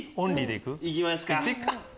行きますか。